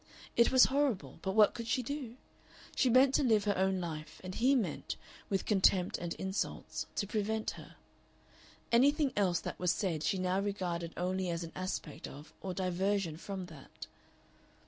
It was horrible, but what could she do? She meant to live her own life, and he meant, with contempt and insults, to prevent her. Anything else that was said she now regarded only as an aspect of or diversion from that.